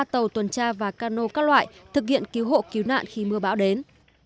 ba tàu tuần tra và cano các loại thực hiện cứu hộ cứu nạn khi mưa bão đến